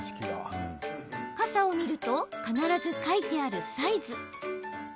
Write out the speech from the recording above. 傘を見ると必ず書いてあるサイズ。